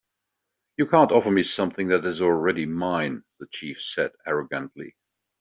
"You can't offer me something that is already mine," the chief said, arrogantly.